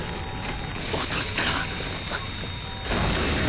落としたら！